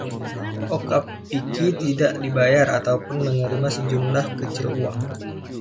Okappiki tidak dibayar, ataupun menerima sejumlah kecil uang.